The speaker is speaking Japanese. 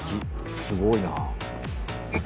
すごいな。